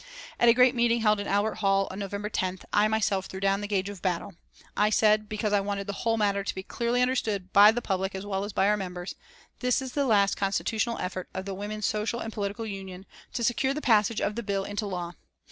At a great meeting held in Albert Hall on November 10th, I myself threw down the gage of battle. I said, because I wanted the whole matter to be clearly understood by the public as well as by our members: "This is the last constitutional effort of the Women's Social and Political Union to secure the passage of the bill into law.